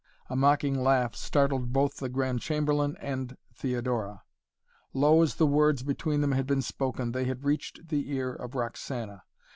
A mocking laugh startled both the Grand Chamberlain and Theodora. Low as the words between them had been spoken, they had reached the ear of Roxana.